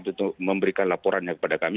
untuk memberikan laporannya kepada kami